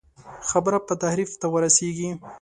خبره به تحریف ته ورسېږي.